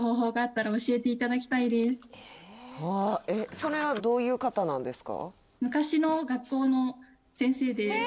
それはどういう方なんですか？